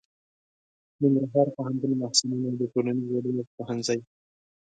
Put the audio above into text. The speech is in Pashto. ننګرهار پوهنتون محصلینو د ټولنیزو علومو پوهنځي